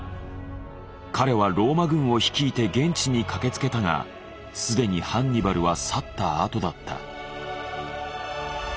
彼はローマ軍を率いて現地に駆けつけたが既にハンニバルは去ったあとだった。